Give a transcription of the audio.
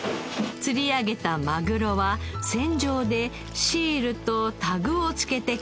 釣り上げたマグロは船上でシールとタグを付けて管理されています。